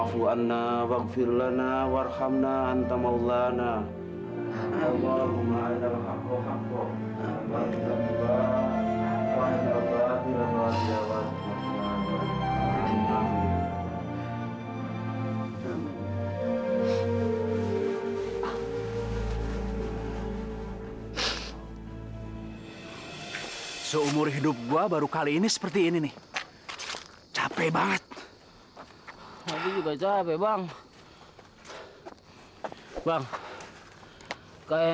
sampai jumpa di video selanjutnya